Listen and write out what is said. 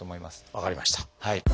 分かりました。